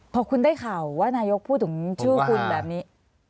พอคุณได้ข่าวว่านายกพูดถึงชื่อคุณแบบนี้